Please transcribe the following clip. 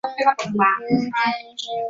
大穆尔默隆人口变化图示